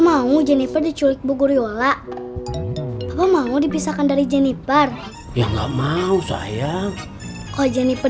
mau jeniper diculik bu guriola mau dipisahkan dari jeniper yang nggak mau sayang oh jeniper